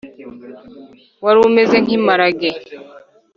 Wari umeze nk imparagee